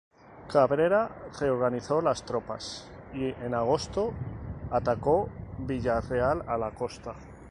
Cabrera reorganizó las tropas, y en agosto atacó Villareal, a la costa.